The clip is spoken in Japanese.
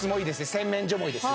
洗面所もいいです